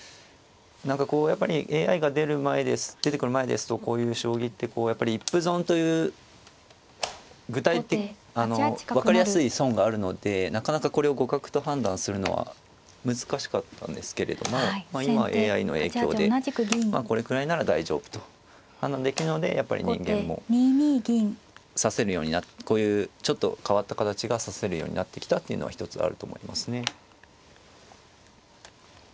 何かこうやっぱりＡＩが出てくる前ですとこういう将棋ってやっぱり一歩損という具体的分かりやすい損があるのでなかなかこれを互角と判断するのは難しかったんですけれども今はＡＩの影響でこれくらいなら大丈夫と判断できるのでやっぱり人間も指せるようにこういうちょっと変わった形が指せるようになってきたっていうのは一つあると思いますね。